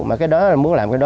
mà cái đó là muốn làm cái đó